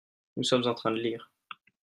Nous sommes en train de lire.